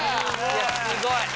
すごい！